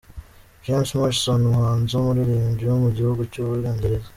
James Morrison, umuhanzi w’umuririmbyi wo mu gihugu cy’u Bwongereza.